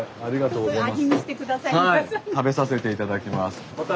食べさせて頂きます。